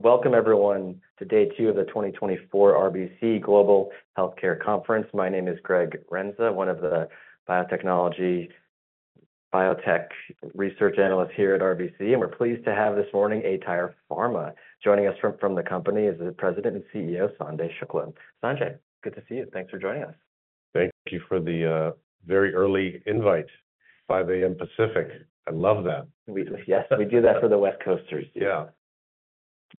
Welcome, everyone, to day 2 of the 2024 RBC Global Healthcare Conference. My name is Greg Renza, one of the biotechnology biotech research analysts here at RBC, and we're pleased to have this morning aTyr Pharma joining us from the company as the President and CEO, Sanjay Shukla. Sanjay, good to see you. Thanks for joining us. Thank you for the very early invite. 5:00 A.M. Pacific. I love that. Yes, we do that for the West Coasters. Yeah.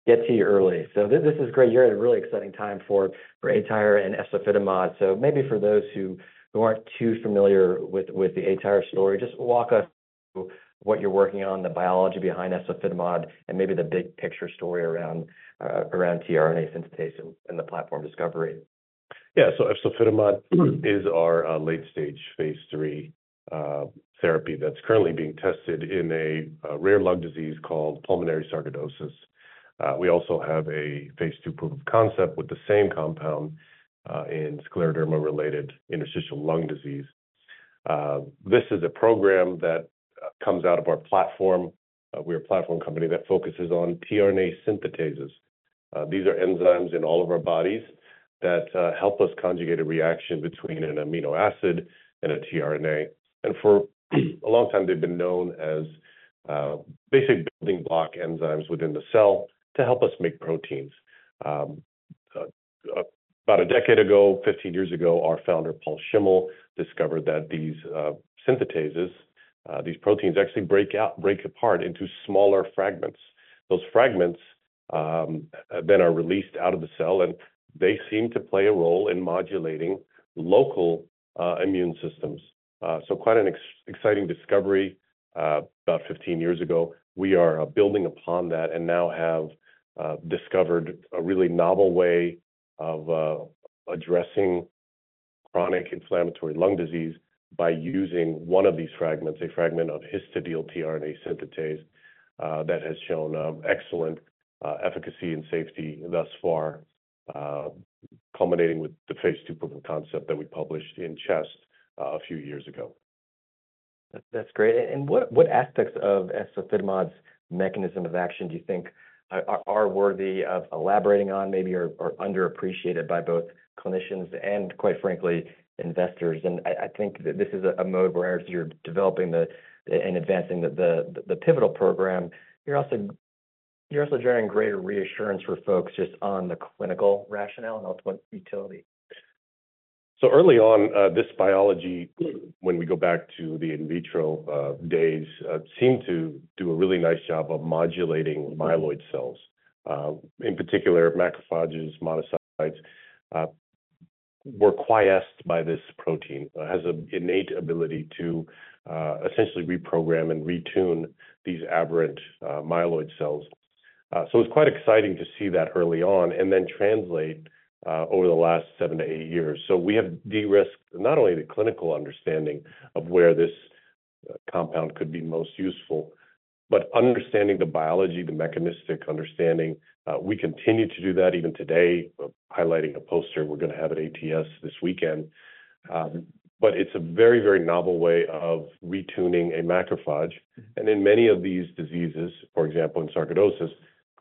Get to you early. So this is great. You're at a really exciting time for aTyr and efzofitimod. So maybe for those who aren't too familiar with the aTyr story, just walk us through what you're working on, the biology behind efzofitimod, and maybe the big picture story around tRNA synthetase and the platform discovery. Yeah. So efzofitimod is our late-stage phase III therapy that's currently being tested in a rare lung disease called pulmonary sarcoidosis. We also have a phase II proof-of-concept with the same compound in scleroderma-related interstitial lung disease. This is a program that comes out of our platform. We're a platform company that focuses on tRNA synthetases. These are enzymes in all of our bodies that help us conjugate a reaction between an amino acid and a tRNA. And for a long time, they've been known as basic building block enzymes within the cell to help us make proteins. About a decade ago, 15 years ago, our founder, Paul Schimmel, discovered that these synthetases, these proteins actually break out, break apart into smaller fragments. Those fragments then are released out of the cell, and they seem to play a role in modulating local immune systems. Quite an exciting discovery. About 15 years ago, we are building upon that and now have discovered a really novel way of addressing chronic inflammatory lung disease by using one of these fragments, a fragment of histidyl-tRNA synthetase that has shown excellent efficacy and safety thus far, culminating with the phase II proof of concept that we published in CHEST a few years ago. That's great. What aspects of efzofitimod's mechanism of action do you think are worthy of elaborating on, maybe are underappreciated by both clinicians and, quite frankly, investors? And I think that this is a mode whereas you're developing and advancing the pivotal program. You're also generating greater reassurance for folks just on the clinical rationale and ultimate utility. So early on, this biology, when we go back to the in vitro days, seemed to do a really nice job of modulating myeloid cells. In particular, macrophages, monocytes were quiesced by this protein, has an innate ability to essentially reprogram and retune these aberrant myeloid cells. It's quite exciting to see that early on and then translate over the last seven-eight years. We have de-risked not only the clinical understanding of where this compound could be most useful, but understanding the biology, the mechanistic understanding. We continue to do that even today, highlighting a poster. We're going to have an ATS this weekend. But it's a very, very novel way of retuning a macrophage. And in many of these diseases, for example, in sarcoidosis,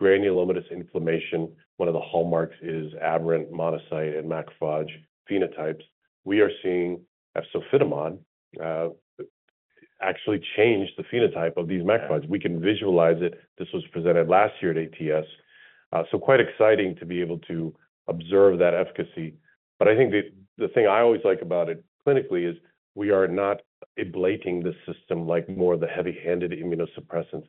granulomatous inflammation, one of the hallmarks is aberrant monocyte and macrophage phenotypes. We are seeing efzofitimod actually change the phenotype of these macrophages. We can visualize it. This was presented last year at ATS. So quite exciting to be able to observe that efficacy. But I think the thing I always like about it clinically is we are not ablating the system like more of the heavy-handed immunosuppressants.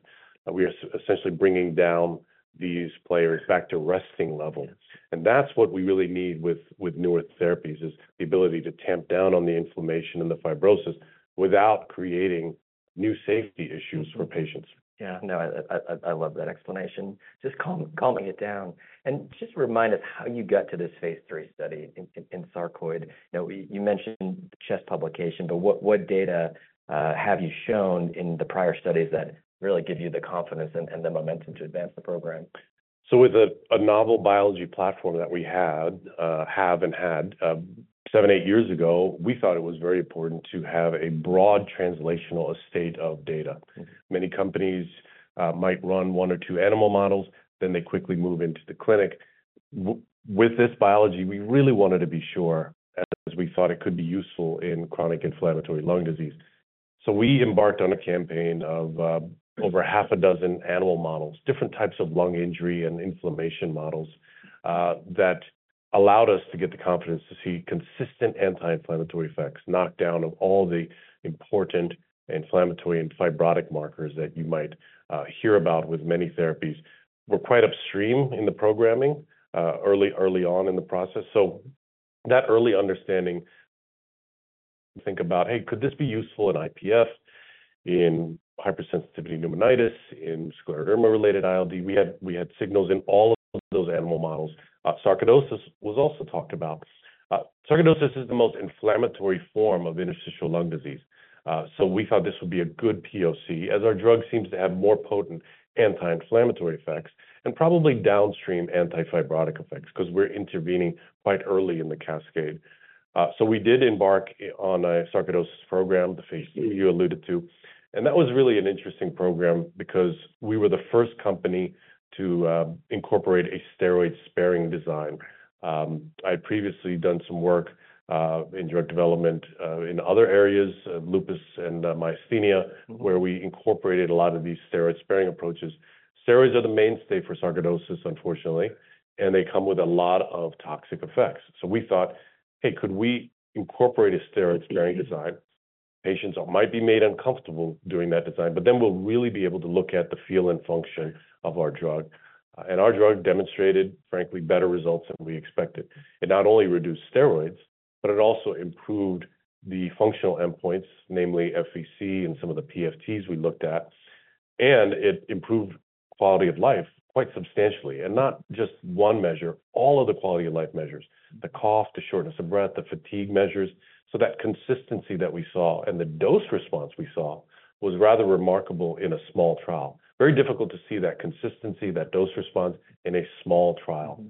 We are essentially bringing down these players back to resting levels. And that's what we really need with newer therapies, is the ability to tamp down on the inflammation and the fibrosis without creating new safety issues for patients. Yeah, no, I love that explanation. Just calming it down. Just remind us how you got to this phase III study in sarcoid. You mentioned the CHEST publication, but what data have you shown in the prior studies that really give you the confidence and the momentum to advance the program? So with a novel biology platform that we had, have and had seven or eight years ago, we thought it was very important to have a broad translational array of data. Many companies might run one or two animal models, then they quickly move into the clinic. With this biology, we really wanted to be sure, as we thought it could be useful in chronic inflammatory lung disease. So we embarked on a campaign of over half a dozen animal models, different types of lung injury and inflammation models that allowed us to get the confidence to see consistent anti-inflammatory effects, knockdown of all the important inflammatory and fibrotic markers that you might hear about with many therapies. We're quite upstream in the programming early, early on in the process. So that early understanding. Think about, hey, could this be useful in IPF, in hypersensitivity pneumonitis, in scleroderma-related ILD? We had signals in all of those animal models. Sarcoidosis was also talked about. Sarcoidosis is the most inflammatory form of interstitial lung disease. So we thought this would be a good POC, as our drug seems to have more potent anti-inflammatory effects and probably downstream anti-fibrotic effects, because we're intervening quite early in the cascade. So we did embark on a sarcoidosis program, the phase III you alluded to. And that was really an interesting program, because we were the first company to incorporate a steroid sparing design. I had previously done some work in drug development in other areas, lupus and myasthenia, where we incorporated a lot of these steroid sparing approaches. Steroids are the mainstay for sarcoidosis, unfortunately, and they come with a lot of toxic effects. So we thought, hey, could we incorporate a steroid sparing design? Patients might be made uncomfortable doing that design, but then we'll really be able to look at the feel and function of our drug. Our drug demonstrated, frankly, better results than we expected. It not only reduced steroids, but it also improved the functional endpoints, namely FVC and some of the PFTs we looked at. It improved quality of life quite substantially, and not just one measure, all of the quality of life measures, the cough, the shortness of breath, the fatigue measures. So that consistency that we saw and the dose response we saw was rather remarkable in a small trial. Very difficult to see that consistency, that dose response in a small trial,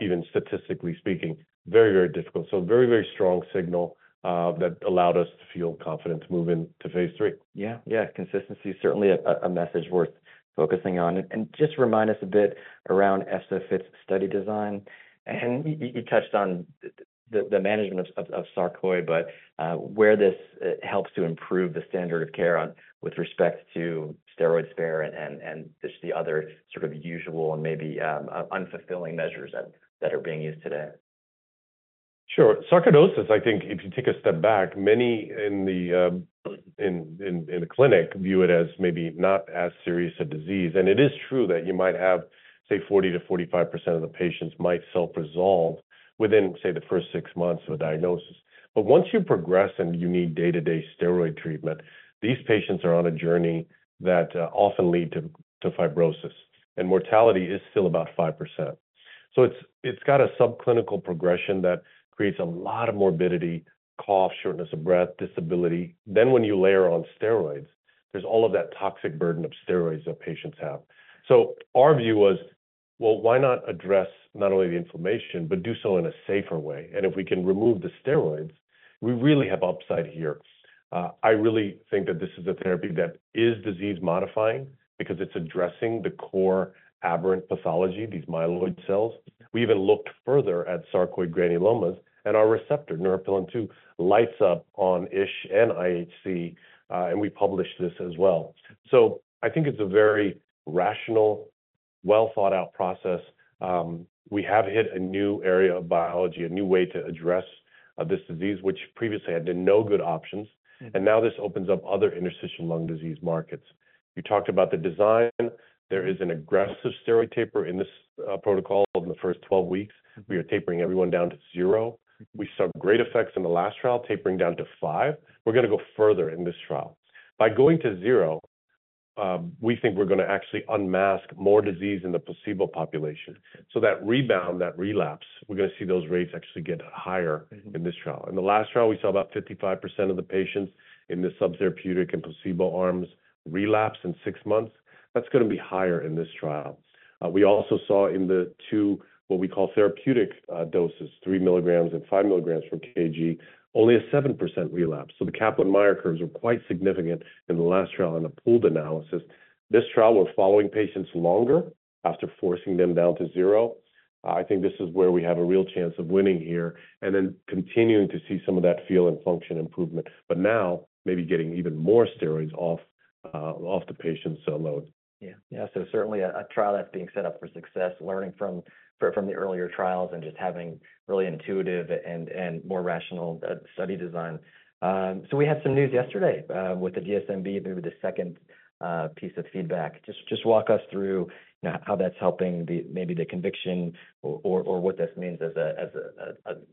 even statistically speaking, very, very difficult. So very, very strong signal that allowed us to feel confident moving to phase III. Yeah, yeah, consistency is certainly a message worth focusing on. Just remind us a bit around efzofitimod's study design. You touched on the management of sarcoid, but where this helps to improve the standard of care with respect to steroid sparing and just the other sort of usual and maybe unfulfilling measures that are being used today. Sure. Sarcoidosis, I think, if you take a step back, many in the clinic view it as maybe not as serious a disease. It is true that you might have, say, 40%-45% of the patients might self-resolve within, say, the first six months of a diagnosis. But once you progress and you need day-to-day steroid treatment, these patients are on a journey that often lead to fibrosis, and mortality is still about 5%. So it's got a subclinical progression that creates a lot of morbidity, cough, shortness of breath, disability. Then, when you layer on steroids, there's all of that toxic burden of steroids that patients have. So our view was, well, why not address not only the inflammation, but do so in a safer way? If we can remove the steroids, we really have upside here. I really think that this is a therapy that is disease modifying, because it's addressing the core aberrant pathology, these myeloid cells. We even looked further at sarcoid granulomas, and our receptor, neuropilin-2, lights up on IHC, and we published this as well. So I think it's a very rational, well-thought-out process. We have hit a new area of biology, a new way to address this disease, which previously had no good options. And now this opens up other interstitial lung disease markets. You talked about the design. There is an aggressive steroid taper in this protocol. In the first 12 weeks, we are tapering everyone down to zero. We saw great effects in the last trial, tapering down to five. We're going to go further in this trial. By going to zero, we think we're going to actually unmask more disease in the placebo population. So that rebound, that relapse, we're going to see those rates actually get higher in this trial. In the last trial, we saw about 55% of the patients in the subtherapeutic and placebo arms relapse in six months. That's going to be higher in this trial. We also saw in the two what we call therapeutic doses, three mg and five mg per kg, only a 7% relapse. So the Kaplan-Meier curves were quite significant in the last trial and the pooled analysis. This trial, we're following patients longer after forcing them down to zero. I think this is where we have a real chance of winning here, and then continuing to see some of that FVC and function improvement, but now maybe getting even more steroids off the patient's load. Yeah, yeah. So certainly a trial that's being set up for success, learning from the earlier trials, and just having really intuitive and more rational study design. So we had some news yesterday with the DSMB, maybe the second piece of feedback. Just walk us through how that's helping the conviction or what this means as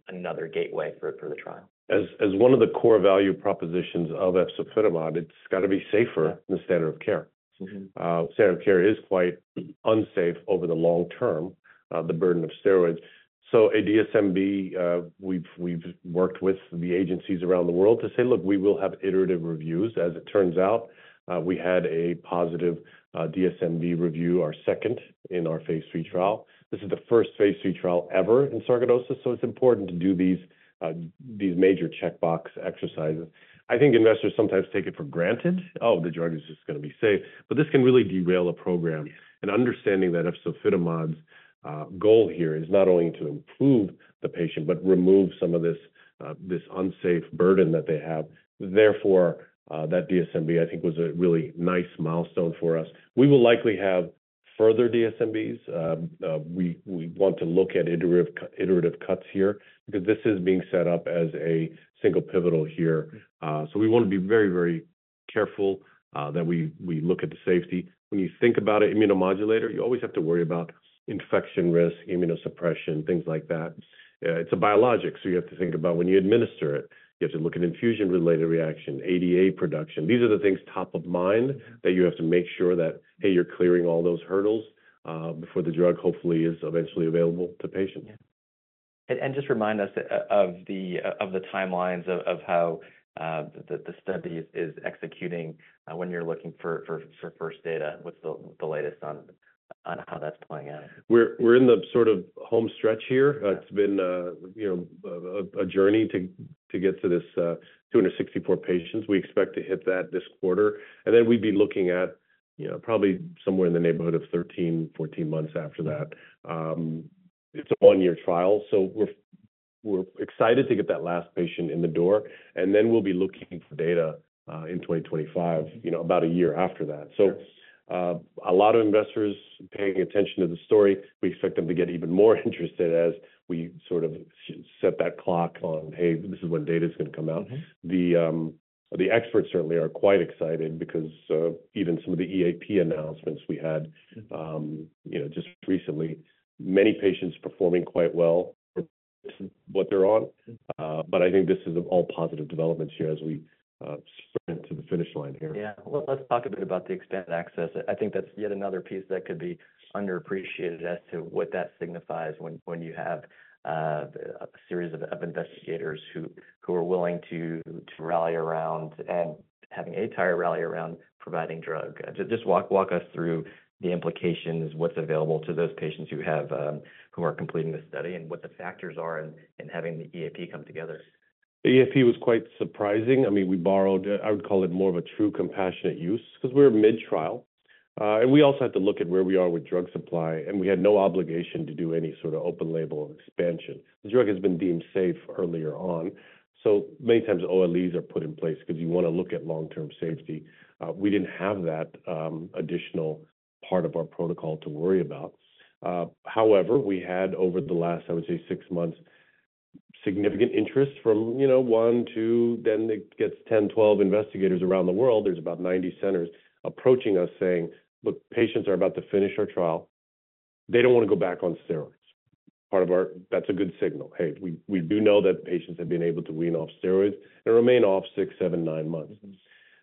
another gateway for the trial. As one of the core value propositions of efzofitimod, it's got to be safer than the standard of care. Standard of care is quite unsafe over the long term, the burden of steroids. So a DSMB, we've worked with the agencies around the world to say, look, we will have iterative reviews. As it turns out, we had a positive DSMB review, our second in our phase III trial. This is the first phase III trial ever in sarcoidosis. So it's important to do these major checkbox exercises. I think investors sometimes take it for granted. Oh, the drug is just going to be safe. But this can really derail a program. And understanding that efzofitimod's goal here is not only to improve the patient, but remove some of this unsafe burden that they have. Therefore, that DSMB, I think, was a really nice milestone for us. We will likely have further DSMBs. We want to look at iterative cuts here, because this is being set up as a single pivotal here. So we want to be very, very careful that we look at the safety. When you think about an immunomodulator, you always have to worry about infection risk, immunosuppression, things like that. It's a biologic, so you have to think about when you administer it, you have to look at infusion-related reaction, ADA production. These are the things top of mind that you have to make sure that, hey, you're clearing all those hurdles before the drug hopefully is eventually available to patients. Just remind us of the timelines of how the study is executing when you're looking for first data. What's the latest on how that's playing out? We're in the sort of home stretch here. It's been, you know, a journey to get to this 264 patients. We expect to hit that this quarter. And then we'd be looking at, you know, probably somewhere in the neighborhood of 13-14 months after that. It's a one-year trial. So we're excited to get that last patient in the door, and then we'll be looking for data in 2025, you know, about a year after that. So a lot of investors paying attention to the story. We expect them to get even more interested as we sort of set that clock on, hey, this is when data is going to come out. The experts certainly are quite excited, because even some of the EAP announcements we had, you know, just recently, many patients performing quite well for what they're on. I think this is all positive developments here, as we sprint to the finish line here. Yeah. Let's talk a bit about the expanded access. I think that's yet another piece that could be underappreciated as to what that signifies when you have a series of investigators who are willing to rally around, and having aTyr rally around providing drug. Just walk us through the implications, what's available to those patients who are completing the study, and what the factors are in having the EAP come together. The EAP was quite surprising. I mean, we borrowed. I would call it more of a true compassionate use, because we're mid-trial. We also had to look at where we are with drug supply, and we had no obligation to do any sort of open label expansion. The drug has been deemed safe earlier on. So many times, OLEs are put in place, because you want to look at long-term safety. We didn't have that additional part of our protocol to worry about. However, we had, over the last, I would say, six months, significant interest from, you know, one, two, then it gets 10, 12 investigators around the world. There's about 90 centers approaching us saying, look, patients are about to finish our trial. They don't want to go back on steroids. Part of our that's a good signal. Hey, we do know that patients have been able to wean off steroids and remain off six, seven, nine months.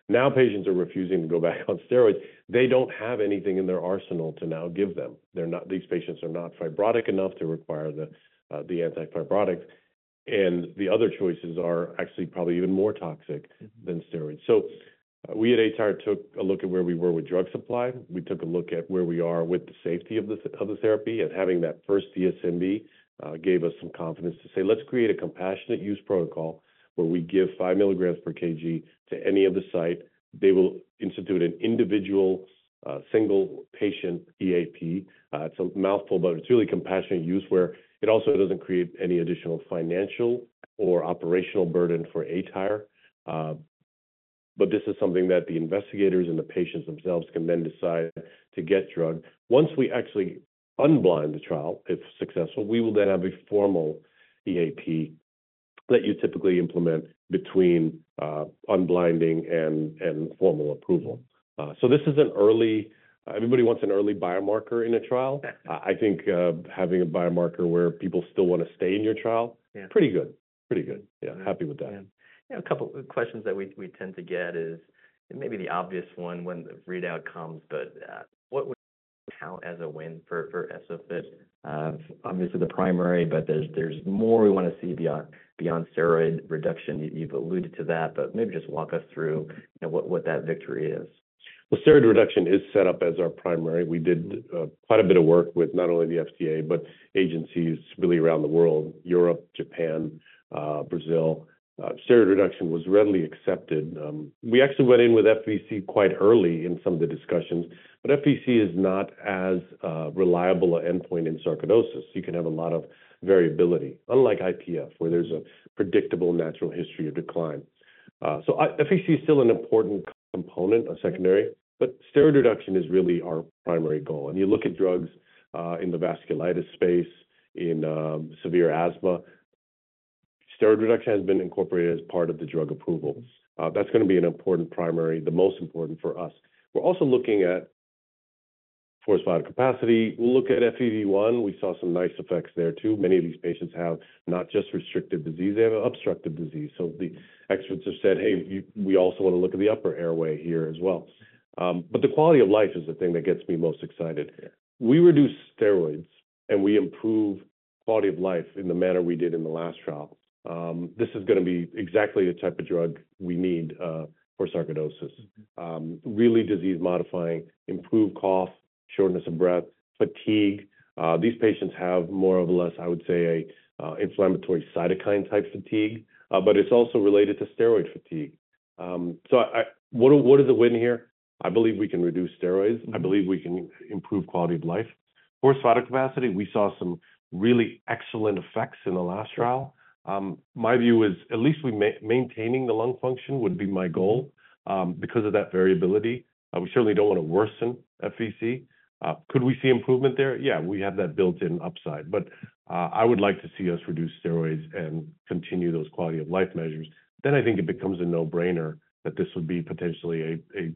Now patients are refusing to go back on steroids. They don't have anything in their arsenal to now give them. They're not. These patients are not fibrotic enough to require the anti-fibrotic. And the other choices are actually probably even more toxic than steroids. So we at aTyr took a look at where we were with drug supply. We took a look at where we are with the safety of the therapy, and having that first DSMB gave us some confidence to say, let's create a compassionate use protocol where we give 5 mg per kg to any of the sites. They will institute an individual single patient EAP. It's a mouthful, but it's really compassionate use, where it also doesn't create any additional financial or operational burden for aTyr. But this is something that the investigators and the patients themselves can then decide to get drug. Once we actually unblind the trial, if successful, we will then have a formal EAP that you typically implement between unblinding and formal approval. So this is an early everybody wants an early biomarker in a trial. I think having a biomarker where people still want to stay in your trial. Pretty good. Pretty good. Yeah, happy with that. Yeah. A couple of questions that we tend to get is maybe the obvious one when the readout comes, but what would count as a win for efzofitimod? Obviously, the primary, but there's more we want to see beyond steroid reduction. You've alluded to that, but maybe just walk us through what that victory is. Well, steroid reduction is set up as our primary. We did quite a bit of work with not only the FDA, but agencies really around the world, Europe, Japan, Brazil. Steroid reduction was readily accepted. We actually went in with FVC quite early in some of the discussions, but FVC is not as reliable an endpoint in sarcoidosis. You can have a lot of variability, unlike IPF, where there's a predictable natural history of decline. So FVC is still an important component, a secondary, but steroid reduction is really our primary goal. And you look at drugs in the vasculitis space, in severe asthma. Steroid reduction has been incorporated as part of the drug approval. That's going to be an important primary, the most important for us. We're also looking at forced vital capacity. We'll look at FEV1. We saw some nice effects there too. Many of these patients have not just restrictive disease, they have obstructive disease. So the experts have said, hey, we also want to look at the upper airway here as well. But the quality of life is the thing that gets me most excited. We reduce steroids, and we improve quality of life in the manner we did in the last trial. This is going to be exactly the type of drug we need for sarcoidosis. Really disease modifying, improve cough, shortness of breath, fatigue. These patients have more or less, I would say, an inflammatory cytokine type fatigue, but it's also related to steroid fatigue. So what is the win here? I believe we can reduce steroids. I believe we can improve quality of life. Forced vital capacity, we saw some really excellent effects in the last trial. My view is, at least we maintaining the lung function would be my goal, because of that variability. We certainly don't want to worsen FVC. Could we see improvement there? Yeah, we have that built-in upside. But I would like to see us reduce steroids and continue those quality of life measures. Then I think it becomes a no-brainer that this would be potentially a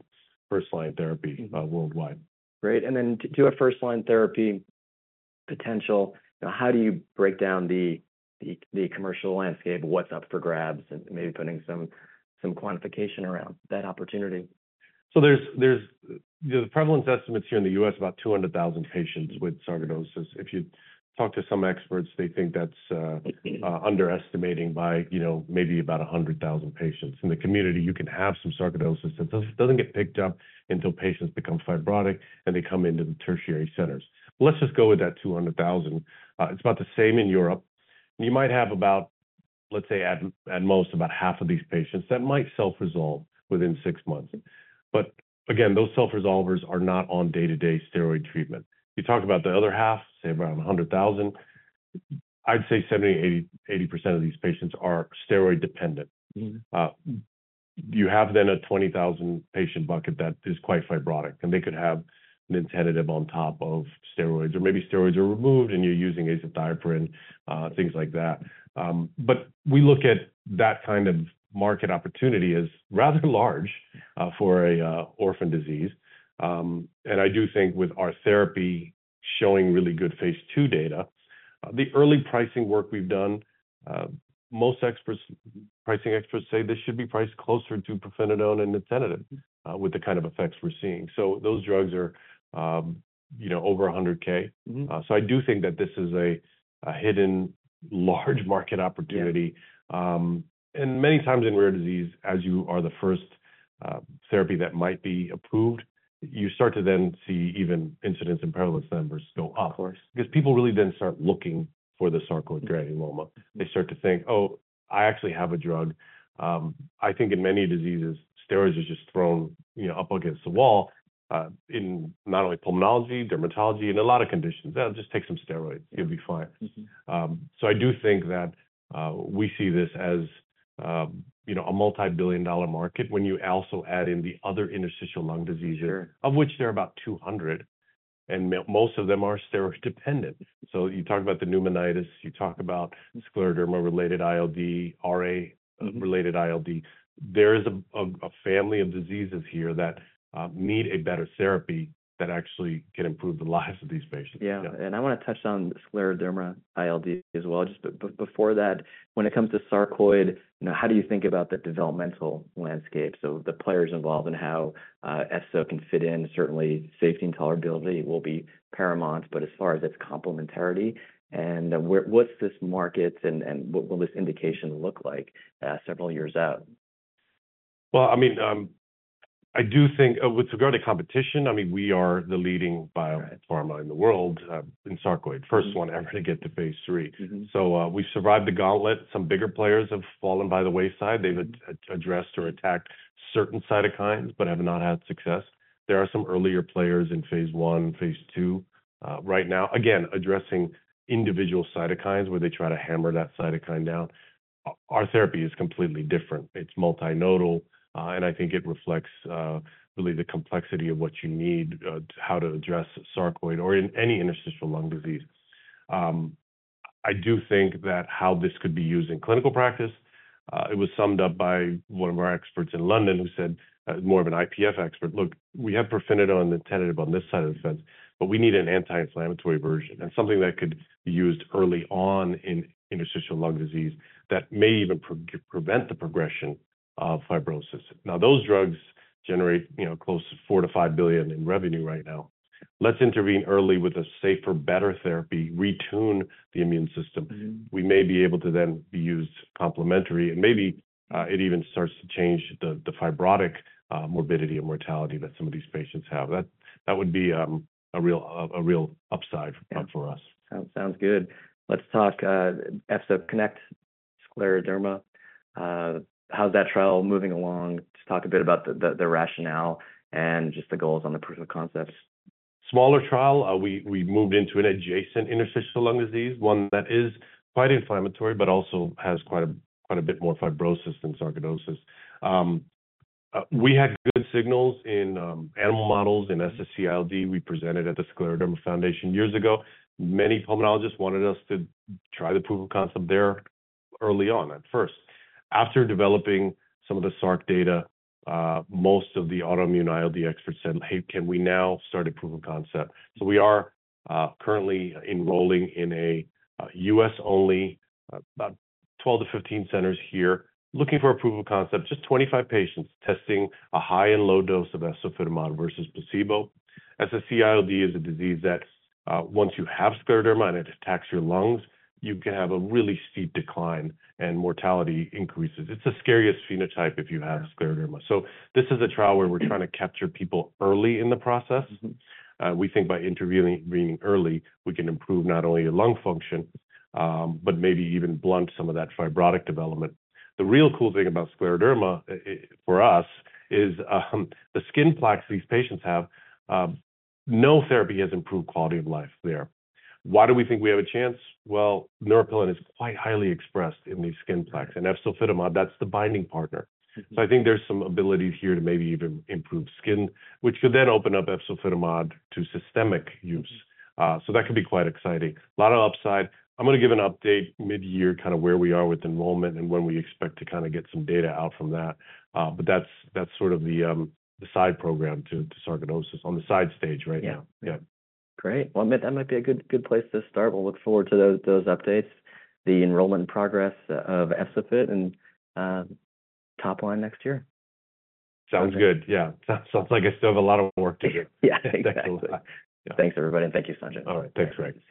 first-line therapy worldwide. Great. And then to a first-line therapy potential, how do you break down the commercial landscape? What's up for grabs? And maybe putting some quantification around that opportunity. So there's the prevalence estimates here in the U.S., about 200,000 patients with sarcoidosis. If you talk to some experts, they think that's underestimating by, you know, maybe about 100,000 patients. In the community, you can have some sarcoidosis that doesn't get picked up until patients become fibrotic and they come into the tertiary centers. Let's just go with that 200,000. It's about the same in Europe. And you might have about, let's say, at most about half of these patients that might self-resolve within 6 months. But again, those self-resolvers are not on day-to-day steroid treatment. You talk about the other half, say, around 100,000. I'd say 70%-80% of these patients are steroid dependent. You have then a 20,000 patient bucket that is quite fibrotic, and they could have nintedanib on top of steroids, or maybe steroids are removed and you're using azathioprine, things like that. But we look at that kind of market opportunity as rather large for an orphan disease. And I do think with our therapy showing really good phase II data, the early pricing work we've done, most experts, pricing experts say this should be priced closer to pirfenidone and nintedanib, with the kind of effects we're seeing. So those drugs are, you know, over $100,000. So I do think that this is a hidden large market opportunity. And many times in rare disease, as you are the first therapy that might be approved, you start to then see even incidence and prevalence numbers go up. Of course. Because people really then start looking for the sarcoid granuloma. They start to think, oh, I actually have a drug. I think in many diseases, steroids are just thrown, you know, up against the wall, in not only pulmonology, dermatology, in a lot of conditions. Yeah, just take some steroids, you'll be fine. So I do think that we see this as, you know, a multibillion-dollar market when you also add in the other interstitial lung diseases, of which there are about 200. And most of them are steroid dependent. So you talk about the pneumonitis, you talk about scleroderma-related ILD, RA-related ILD. There is a family of diseases here that need a better therapy that actually can improve the lives of these patients. Yeah. I want to touch on scleroderma ILD as well. But before that, when it comes to sarcoid, how do you think about the developmental landscape? The players involved and how efzofitimod can fit in. Certainly, safety and tolerability will be paramount. But as far as its complementarity, and what's this market, and what will this indication look like several years out? Well, I mean, I do think with regard to competition, I mean, we are the leading biopharma in the world in sarcoid, first one ever to get to phase III. So we've survived the gauntlet. Some bigger players have fallen by the wayside. They've addressed or attacked certain cytokines, but have not had success. There are some earlier players in phase I, phase II right now, again, addressing individual cytokines where they try to hammer that cytokine down. Our therapy is completely different. It's multinodal. And I think it reflects really the complexity of what you need, how to address sarcoid, or in any interstitial lung disease. I do think that how this could be used in clinical practice. It was summed up by one of our experts in London who said, more of an IPF expert, look, we have pirfenidone and nintedanib on this side of the fence, but we need an anti-inflammatory version, and something that could be used early on in interstitial lung disease that may even prevent the progression of fibrosis. Now, those drugs generate, you know, close to $4 billion-$5 billion in revenue right now. Let's intervene early with a safer, better therapy, retune the immune system. We may be able to then be used complementary, and maybe it even starts to change the fibrotic morbidity and mortality that some of these patients have. That would be a real upside for us. Sounds good. Let's talk EFZO-CONNECT scleroderma. How's that trial moving along? Talk a bit about the rationale and just the goals on the proof of concepts. Smaller trial, we moved into an adjacent interstitial lung disease, one that is quite inflammatory, but also has quite a bit more fibrosis than sarcoidosis. We had good signals in animal models in SSC ILD we presented at the Scleroderma Foundation years ago. Many pulmonologists wanted us to try the proof of concept there early on, at first. After developing some of the SARC data, most of the autoimmune ILD experts said, hey, can we now start a proof of concept? So we are currently enrolling in a U.S.-only, about 12-15 centers here, looking for a proof of concept, just 25 patients testing a high and low dose of efzofitimod versus placebo. SSc- ILD is a disease that once you have scleroderma and it attacks your lungs, you can have a really steep decline and mortality increases. It's the scariest phenotype if you have scleroderma. So this is a trial where we're trying to capture people early in the process. We think by intervening early, we can improve not only your lung function, but maybe even blunt some of that fibrotic development. The real cool thing about scleroderma for us is the skin plaques these patients have. No therapy has improved quality of life there. Why do we think we have a chance? Well, neuropilin is quite highly expressed in these skin plaques, and efzofitimod, that's the binding partner. So I think there's some ability here to maybe even improve skin, which could then open up efzofitimod to systemic use. So that could be quite exciting. A lot of upside. I'm going to give an update mid-year, kind of where we are with enrollment and when we expect to kind of get some data out from that. But that's sort of the side program to sarcoidosis on the side stage right now. Yeah. Great. Well, that might be a good place to start. We'll look forward to those updates, the enrollment progress of efzofitimod, and top line next year. Sounds good. Yeah. Sounds like I still have a lot of work to do. Yeah, exactly. Thanks, everybody. Thank you, Sanjay. All right. Thanks, Greg.